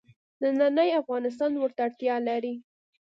نننی افغانستان ورته اړتیا لري.